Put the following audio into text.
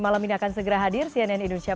malam ini akan segera hadir cnn indonesia